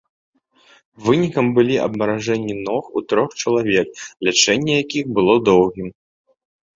Вынікам былі абмаражэнні ног у трох чалавек, лячэнне якіх было доўгім.